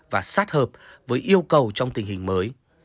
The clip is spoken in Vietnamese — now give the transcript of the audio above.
và sát hợp với yêu cầu trong tình hình mới